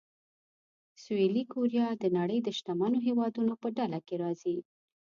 سویلي کوریا د نړۍ د شتمنو هېوادونو په ډله کې راځي.